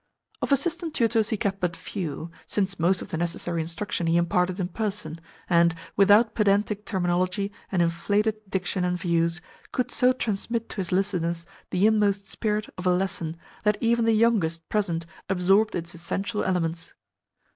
Of assistant tutors he kept but few, since most of the necessary instruction he imparted in person, and, without pedantic terminology and inflated diction and views, could so transmit to his listeners the inmost spirit of a lesson that even the youngest present absorbed its essential elements.